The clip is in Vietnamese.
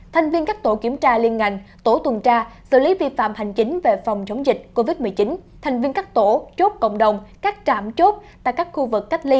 thành viên các tổ kiểm tra liên ngành tổ tuần tra xử lý vi phạm hành chính về phòng chống dịch covid một mươi chín thành viên các tổ chốt cộng đồng các trạm chốt tại các khu vực cách ly